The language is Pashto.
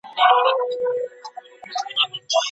که موبایل دي روښانه وي نو د ژبې درس دي په دقت سره ولوله.